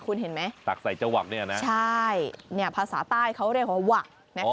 คุณเห็นไหมตักใส่จวักเนี่ยนะใช่เนี่ยภาษาใต้เขาเรียกว่าหวัก